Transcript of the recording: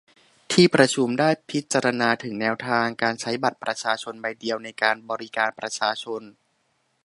ที่ประชุมได้พิจาณาถึงแนวทางการใช้บัตรประชาชนใบเดียวในการบริการประชาชน